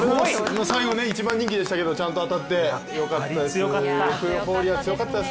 最後ね、一番人気でしたけどちゃんと当たって、よかったです。